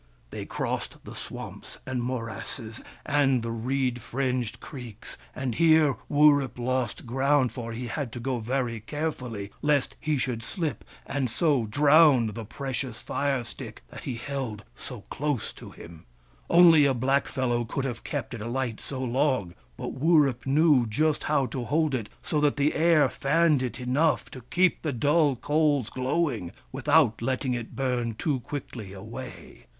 They crossed the swamps and morasses, and the reed fringed creeks— and here Wurip lost ground, for he had to go very carefully, lest he should slip and so drown the precious fire stick that he held close to him. Only a blackfellow could have kept it alight so long ; but Wurip knew just how to hold it so that the air fanned it enough to keep the dull coals glowing, without letting it burn too quickly away.